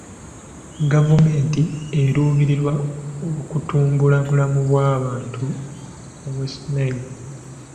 Gavumenti eruubirira kutumbula bulamu bw'abantu mu West Nile.